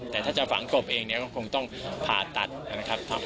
แต่ถ้าจะฝังกบเองเนี่ยก็คงต้องผ่าตัดนะครับ